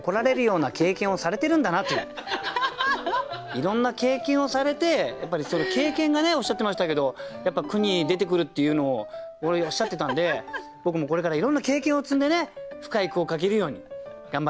いろんな経験をされてその経験がねおっしゃってましたけどやっぱ句に出てくるっていうのをおっしゃってたんで僕もこれからいろんな経験を積んでね深い句を書けるように頑張っていこうという。